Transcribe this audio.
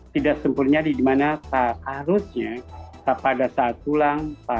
tidak sempurnya di mana harusnya pada saat pulang